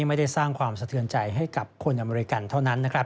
ไม่ได้สร้างความสะเทือนใจให้กับคนอเมริกันเท่านั้นนะครับ